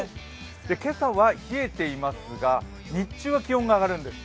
今朝は冷えていますが、日中は気温が上がるんです。